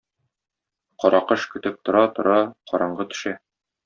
Каракош көтеп тора-тора, караңгы төшә.